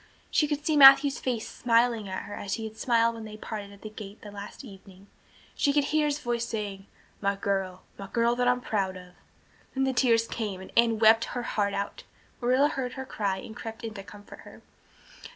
She could see Matthew's face smiling at her as he had smiled when they parted at the gate that last evening she could hear his voice saying, "My girl my girl that I'm proud of." Then the tears came and Anne wept her heart out. Marilla heard her and crept in to comfort her.